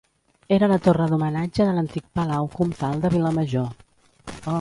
Era la torre d'homenatge de l'antic palau comtal de Vilamajor.